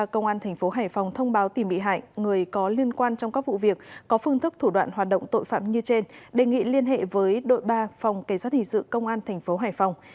làm việc với một số người có vụ việc có phương thức thủ đoạn hoạt động tội phạm như trên đề nghị liên hệ với đội ba phòng kỳ sát hình sự công an tp hoài phòng